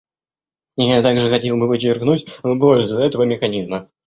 Я также хотел бы подчеркнуть пользу этого механизма.